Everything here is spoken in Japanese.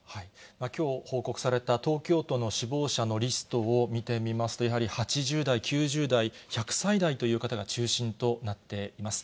きょう報告された東京都の死亡者のリストを見てみますと、やはり８０代、９０代、１００歳代という方が中心となっています。